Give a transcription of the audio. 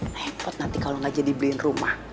memot nanti kalau gak jadi beliin rumah